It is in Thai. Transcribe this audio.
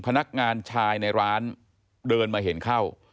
พนักงานชายในร้านเดินมาเห็นเข้า